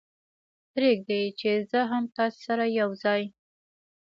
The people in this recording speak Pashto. پرېږدئ چې زه هم تاسې سره یو ځای.